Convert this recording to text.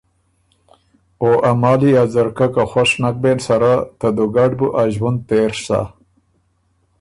او ا مالی ا ځرکۀ که خؤش نک بېن سره، ته دوګډ بُو ا ݫوُند تېڒ سۀ۔